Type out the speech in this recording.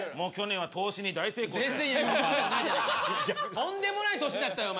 とんでもない年だったよ。